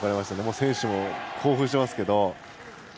選手も興奮していますけど。